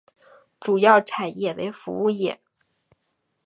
主要产业为服务业。